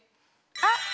あっ！